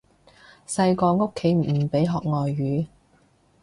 細個屋企唔俾學外語